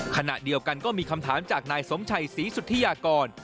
ขณะเดียวกันก็มีคำถามจากนายสมชัยศรีสุธิยากร